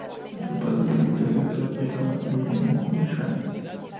Sus padres eran el director y actor Jack Conway y Virginia Bushman.